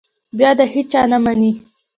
بیا د هېچا نه مني.